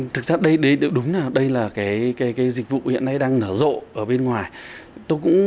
thực ra đây đúng là dịch vụ hiện nay đang nở rộ ở bên ngoài